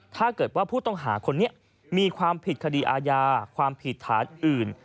ถ้าเกิดว่าผู้ต้องหาคนนี้มีความผิดคดีอาญาความผิดฐานอื่น